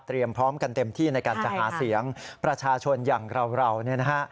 พร้อมกันเต็มที่ในการจะหาเสียงประชาชนอย่างเราเราเนี่ยนะฮะ